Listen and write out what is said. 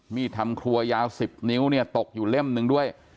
ทำครัวยาว๑๐นิ้วเนี่ยตกอยู่เล่มหนึ่งด้วย